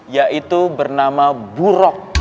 yaitu bernama buruk